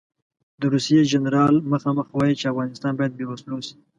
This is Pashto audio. د روسیې جنرال مخامخ وایي چې افغانستان باید بې وسلو شي.